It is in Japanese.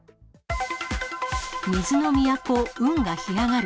水の都、運河干上がる。